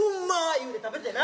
言うて食べてな。